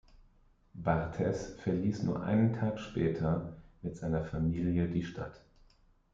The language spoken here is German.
Barthez verließ nur einen Tag später mit seiner Familie die Stadt.